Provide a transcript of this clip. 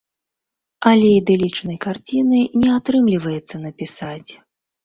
Але ідылічнай карціны не атрымліваецца напісаць.